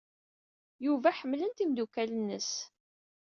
Yuba ḥemmlen-t yimeddukal-nnes.